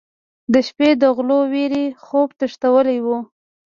د شپې د غلو وېرې خوب تښتولی و.